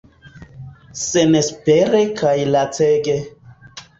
Senespere kaj lacege.